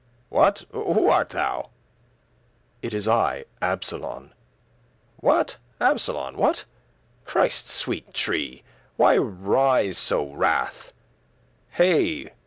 "What, who art thou?" "It is I, Absolon." "What? Absolon, what? Christe's sweete tree*, *cross Why rise so rath*? hey!